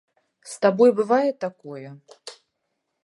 З табой бывае такое?